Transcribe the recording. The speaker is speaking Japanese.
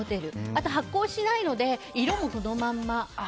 あと発酵しないので色もこのまま。